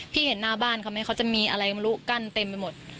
เห็นหน้าบ้านเขาไหมเขาจะมีอะไรมารู้กั้นเต็มไปหมด